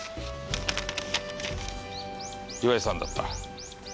岩井さんだった。